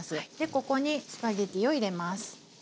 ここにスパゲッティを入れます。